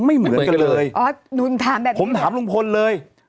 ไม่เหมือนกันเลยอ๋อนุนถามแบบนี้ผมถามลุงพลเลย